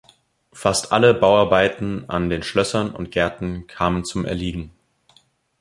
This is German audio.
Fast alle Bauarbeiten an den Schlössern und Gärten kamen zum Erliegen.